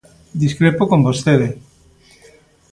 Discrepo con vostede.